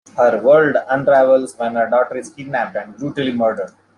Her world unravels when her daughter is kidnapped and brutally murdered.